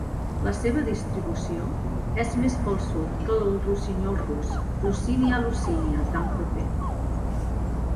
La seva distribució és més pel sud que el rossinyol rus "Luscinia luscinia", tan proper.